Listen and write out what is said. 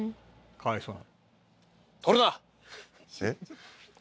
「かわいそう」